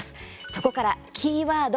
そこからキーワード